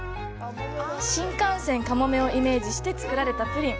新幹線かもめをイメージして作られたプリン。